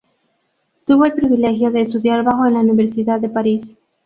Tuvo el privilegio de estudiar bajo en la Universidad de París.